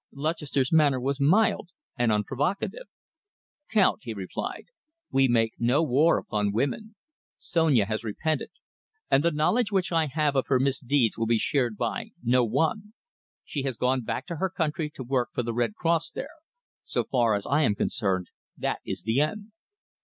Lutchester's manner was mild and unprovocative. "Count," he replied, "we make no war upon women. Sonia has repented, and the knowledge which I have of her misdeeds will be shared by no one. She has gone back to her country to work for the Red Cross there. So far as I am concerned, that is the end."